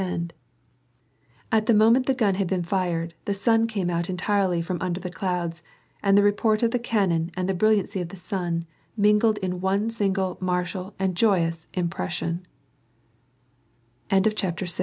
War and peace, 163 At the moment the gun had been fired^ the snn' came out entirely from under the clouds, and the report of the cannon and the brilliancy of the sun mingled in one single martial and joyous impressi